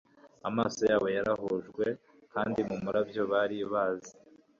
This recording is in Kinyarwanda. amaso yabo yarahujwe kandi mumurabyo bari bazi.